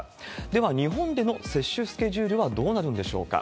では、日本での接種スケジュールはどうなるんでしょうか。